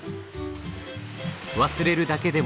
忘れるだけでもない。